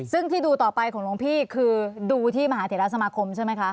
ซึ่งที่ดูต่อไปของหลวงพี่คือดูที่มหาเถระสมาคมใช่ไหมคะ